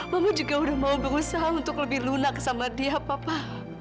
mama juga udah mau berusaha untuk lebih lunak sama dia papa